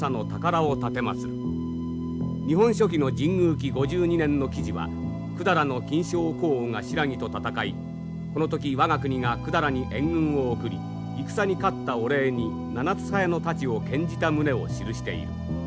紀５２年の記事は百済の近肖古王が新羅と戦いこの時我が国が百済に援軍を送り戦に勝ったお礼に七枝刀を献じた旨を記している。